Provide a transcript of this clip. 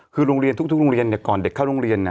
คือทุกโรงเรียนก่อนเด็กเข้าโรงเรียน